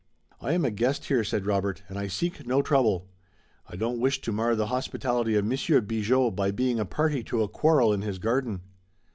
"I am a guest here," said Robert, "and I seek no trouble. I don't wish to mar the hospitality of Monsieur Bigot by being a party to a quarrel in his garden."